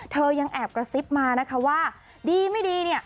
ยังแอบกระซิบมานะคะว่าดีไม่ดีเนี่ย